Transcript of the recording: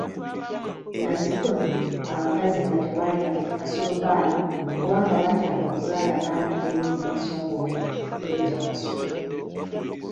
Nazzikuno abakazi nga tebalya Kasulubbana kubanga baatyanga okuzaala abaana abeemimwa emisongovu ng'egya Kasulu.